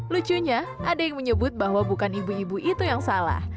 lucunya ada yang menyebut bahwa bukan ibu ibu itu yang salah